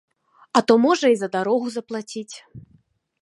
А то можа і за дарогу заплаціць.